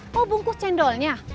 kau bungkus cendolnya